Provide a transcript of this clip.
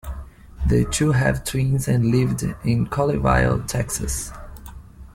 The two have twins and lived in Colleyville, Texas.